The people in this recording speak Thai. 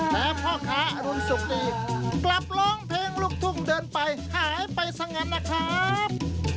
และพ่อค้าอรุณสุขดีกลับร้องเพลงลูกทุ่งเดินไปหายไปสงั้นนะครับ